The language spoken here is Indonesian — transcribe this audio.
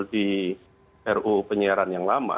di ru penyiaran yang lama